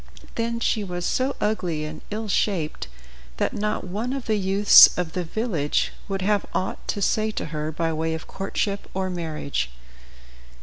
Then she was so ugly and ill shaped that not one of the youths of the village would have aught to say to her by way of courtship or marriage.